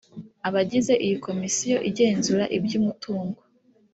Abagize iyi Komisiyo igenzura iby’umutungo